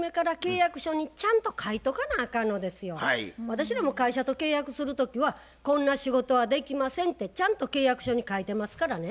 私らも会社と契約する時はこんな仕事はできませんってちゃんと契約書に書いてますからね。